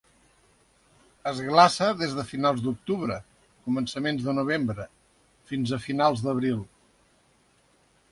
Es glaça des de finals d'octubre, començaments de novembre, fins a finals d'abril.